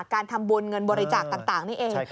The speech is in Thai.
การทำบุญเงินบริจาคต่างนี่เอง